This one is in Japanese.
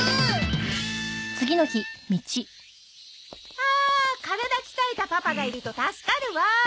あ体鍛えたパパがいると助かるわ。